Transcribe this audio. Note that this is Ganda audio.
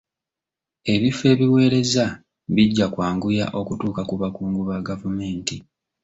Ebifo ebiweereza bijja kwanguya okutuuka ku bakungu ba gavumenti.